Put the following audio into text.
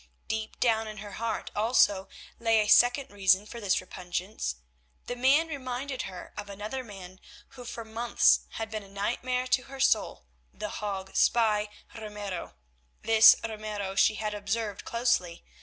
Deep down in her heart also lay a second reason for this repugnance; the man reminded her of another man who for months had been a nightmare to her soul, the Hague spy, Ramiro. This Ramiro she had observed closely.